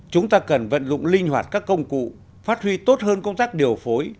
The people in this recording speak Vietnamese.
chúng ta cần vận dụng linh hoạt các công cụ phát huy tốt hơn công tác điều phối